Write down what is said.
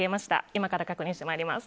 今から確認してまいります